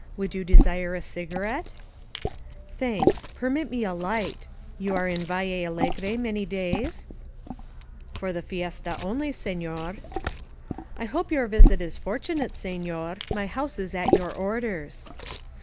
Would you desire a cigarette?" "Thanks. Permit me, a Ught. You are in Valle Al legre many days?" "For the fiesta only, sefior." "I hope your visit is fortunate, sefior. My house is at your orders."